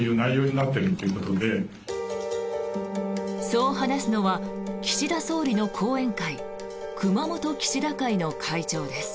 そう話すのは岸田総理の後援会熊本岸田会の会長です。